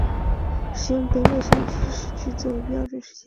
使用北美山区时区作为标准时间。